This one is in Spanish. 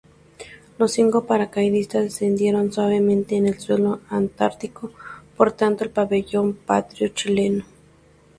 Los cinco paracaidistas descendieron suavemente en suelo antártico portando el pabellón patrio Chileno.